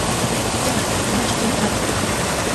Kema, nochi yinikmatok.